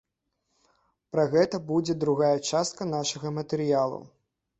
Пра гэта будзе другая частка нашага матэрыялу.